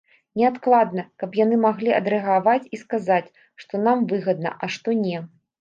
Неадкладна, каб яны маглі адрэагаваць і сказаць, што нам выгадна, а што не.